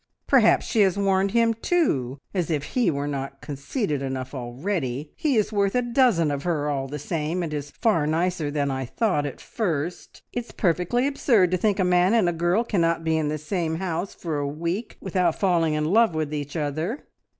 Perhaps she has warned him too, as if he were not conceited enough already! He is worth a dozen of her all the same, and is far nicer than I thought at first. It's perfectly absurd to think a man and a girl cannot be in the same house for a week without falling in love with each other.